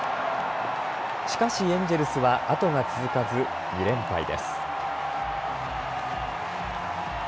しかしエンジェルスは後が続かず２連敗です。